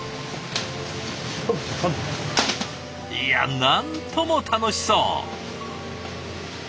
いやなんとも楽しそう。